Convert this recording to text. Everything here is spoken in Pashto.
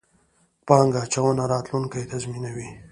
پانګه اچونه، راتلونکی تضمینوئ